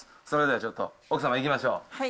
それではちょっと、奥様、行きましょう。